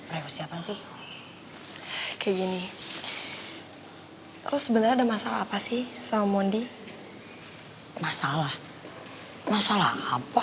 hai rezeki apa sih kayak gini oh sebenarnya ada masalah apa sih sama mondi masalah masalah apa